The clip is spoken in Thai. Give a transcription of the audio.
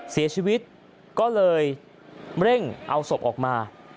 เสียชีวิตก็เลยเร่งเอาศพออกมา